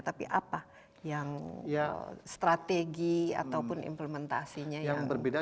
tapi apa yang strategi ataupun implementasinya yang berbeda